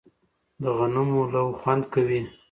د غنمو لو خوند کوي